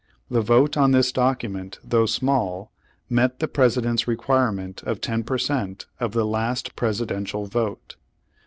The vote on this document though small, met the President's requirement of ten per cent, of the last Presidential vote.